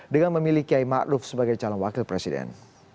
dengan memilih kiai maruf sebagai calon wakil presiden